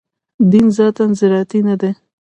دین ذاتاً زراعتي نه دی.